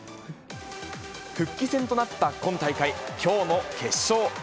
復帰戦となった今大会、きょうの決勝。